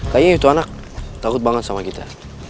kayaknya itu anak takut banget sama kita